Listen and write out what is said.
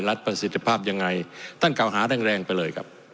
รัฐประสิทธิภาพอย่างไรท่านกาวหาแรงไปเลยครับ